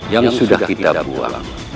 yang sudah kita buang